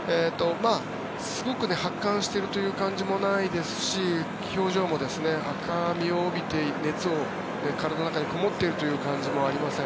すごく発汗しているという感じもないですし表情も赤みを帯びて熱も体にこもっているという感じもありません。